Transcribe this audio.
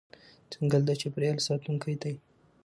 ځنګل د چاپېریال ساتونکی دی.